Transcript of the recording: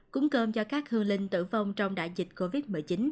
cúng cơm cho các hư linh tử vong trong đại dịch covid một mươi chín